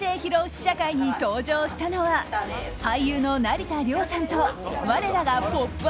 試写会に登場したのは俳優の成田凌さんと我らが「ポップＵＰ！」